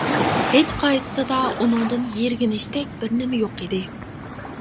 ھېچقايسىسىدا ئۇنىڭدىن يىرگىنىشتەك بىر نېمە يوق ئىدى.